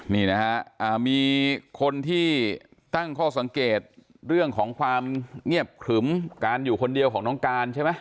นี่นะฮะมีคนที่ตั้งข้อสังเกตเรื่องของความเงียบขรึมการอยู่คนเดียวของน้องการใช่ไหม